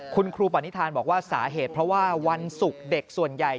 คุณครูปณิธานบอกว่าสาเหตุเพราะว่าวันศุกร์เด็กส่วนใหญ่